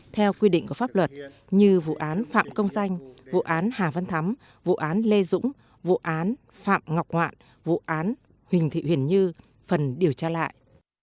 theo quy định của pháp luật như vụ án phạm công danh vụ án hà văn thắm vụ án lê dũng vụ án phạm ngọc ngoạn vụ án huỳnh thị huyền như phần điều tra lại